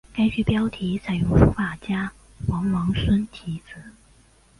该剧标题采用书画家王王孙题字。